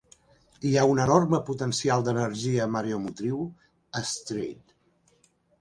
Hi ha un enorme potencial d'energia mareomotriu a Strait.